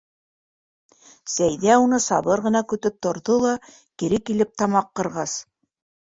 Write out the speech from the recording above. Сәйҙә уны сабыр ғына көтөп торҙо ла, кире килеп тамаҡ ҡырғас: